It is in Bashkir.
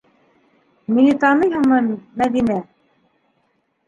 Мине таныйһыңмы, Мәҙинә?!